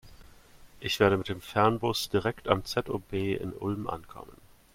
Ich werde mit dem Fernbus direkt am ZOB in Ulm ankommen.